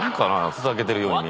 ふざけてるように見える。